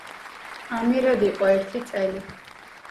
ამირად იყო ერთი წელი.